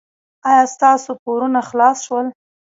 ایا ستاسو پورونه خلاص شول؟